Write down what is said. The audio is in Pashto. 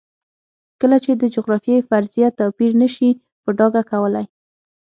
کله چې د جغرافیې فرضیه توپیر نه شي په ډاګه کولی.